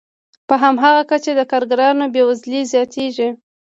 په هماغه کچه د کارګرانو بې وزلي زیاتېږي